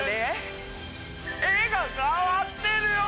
絵が変わってるよ！